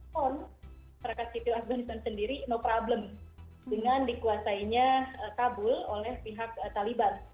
pon masyarakat sipil afganistan sendiri no problem dengan dikuasainya kabul oleh pihak taliban